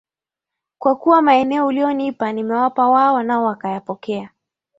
Kwa kuwa maneno uliyonipa nimewapa wao nao wakayapokea